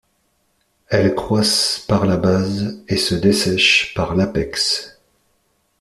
Elles croissent par la base et se dessèchent par l'apex.